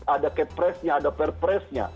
ada kepresnya ada perpresnya